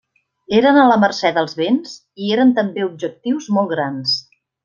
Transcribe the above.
Eren a la mercè dels vents i eren també objectius molt grans.